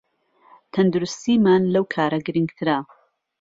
تەندروستیمان لەو کارە گرنگترە